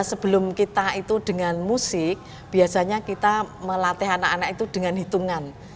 sebelum kita itu dengan musik biasanya kita melatih anak anak itu dengan hitungan